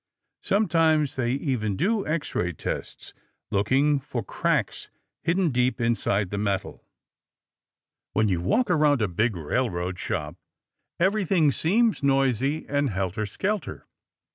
Sometimes they even do X ray tests, looking for cracks hidden deep inside the metal! When you walk around a big railroad shop, everything seems noisy and helter skelter.